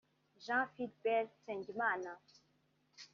Jean Philbert Nsengimana